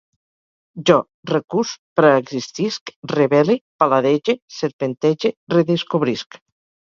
Jo recús, preexistisc, revele, paladege, serpentege, redescobrisc